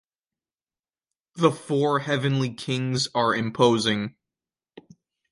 The four heavenly kings are imposing.